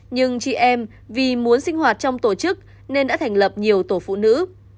nhưng chị em vì muốn sinh hoạt trong tổ chức nên đã thành lập nhiều tổ phụ nữ